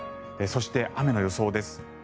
そして、雨の予想です。